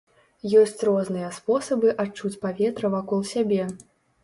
Ёсць розныя спосабы адчуць паветра вакол сябе.